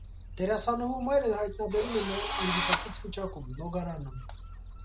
Դերասանուհու մայրը հայտնաբերում է նրան անգիտակից վիճակում, լոգարանում։